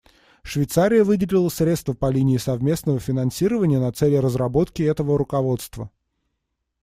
Швейцария выделила средства по линии совместного финансирования на цели разработки этого руководства.